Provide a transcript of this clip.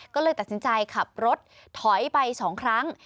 ก็เลยตัดสินใจขับรถถอยไป๒ครั้ง